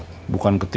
sebentar kurang tutte